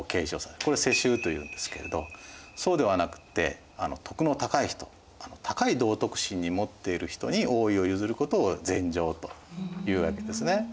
これを世襲というんですけれどそうではなくって徳の高い人高い道徳心持っている人に王位を譲ることを禅譲というわけですね。